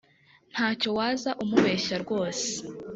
Ntacyo waza umubeshya rwose